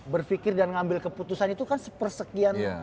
berfikir dan ngambil keputusan itu kan sepersekian